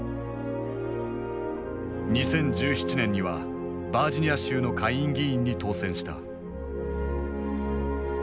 ２０１７年にはバージニア州の下院議員に当選した。